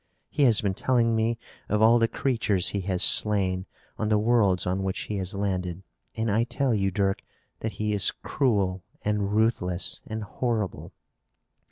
He has been telling me of all the creatures he has slain on the worlds on which he has landed, and I tell you, Dirk, that he is cruel and ruthless and horrible."